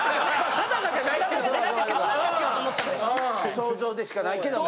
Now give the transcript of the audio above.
想像でしかないけども。